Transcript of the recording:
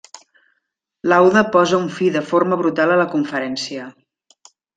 Lauda posa un fi de forma brutal a la conferència.